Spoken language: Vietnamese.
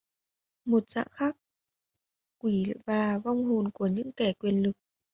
Một dạng khác quỷ là vong hồn của những kẻ Quyền lực